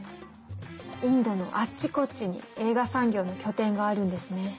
インドのあっちこっちに映画産業の拠点があるんですね。